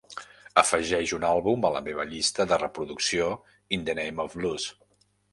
afegeix un àlbum a la meva llista de reproducció In The Name Of Blues